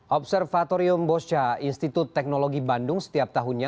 observatorium bosca institut teknologi bandung setiap tahunnya